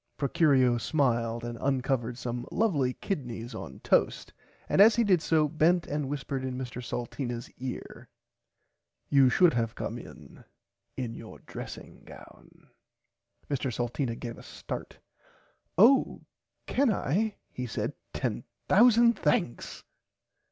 Procurio smiled and uncovered some lovely kidnys on toast and as he did so bent and whispered in Mr Salteenas ear you could have come in in your dressing gown. [Pg 62] Mr Salteena gave a start. Oh can I he said ten thousand thanks.